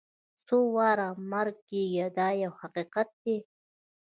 څو واره مړه کېږي دا یو حقیقت دی.